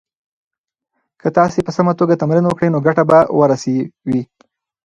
که تاسي په سمه توګه تمرین وکړئ نو ګټه به ورسوي.